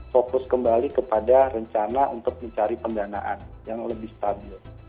fokus kembali kepada rencana untuk mencari pendanaan yang lebih stabil